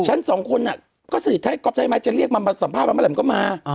ฉันสองคนน่ะก็สถิตรกรอบไทยไหมจะเรียกมาสัมภาพเมื่อไหร่มันก็มา